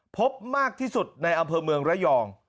พบมากที่สุดในอำเภอเมืองระยอง